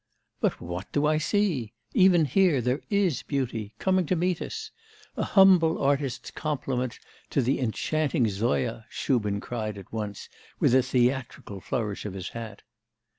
'But what do I see? Even here, there is beauty coming to meet us! A humble artist's compliments to the enchanting Zoya!' Shubin cried at once, with a theatrical flourish of his hat.